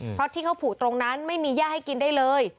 เพราะที่เขาผูกตรงนั้นไม่มีย่าให้กินได้เลย